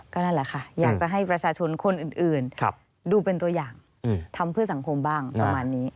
นั่นแหละค่ะอยากจะให้ประชาชนคนอื่นดูเป็นตัวอย่างทำเพื่อสังคมบ้างประมาณนี้